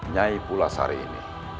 nyai pula sehari ini